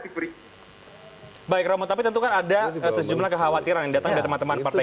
baik baik roma tapi tentukan ada sejumlah kekhawatiran yang datang teman teman partai